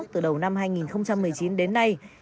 từ đầu năm hai nghìn một mươi chín đến nay